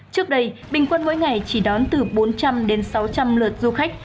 trước đây bình quân mỗi ngày chỉ đón từ bốn trăm linh đến sáu trăm linh lượt du khách